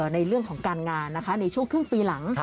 ในเรื่องของการงานนะคะในช่วงครึ่งปีหลัง